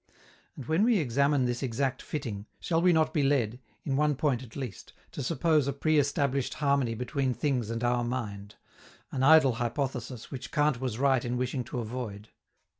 And when we examine this exact fitting, shall we not be led, in one point at least, to suppose a pre established harmony between things and our mind an idle hypothesis, which Kant was right in wishing to avoid?